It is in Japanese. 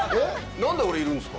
何で俺いるんですか？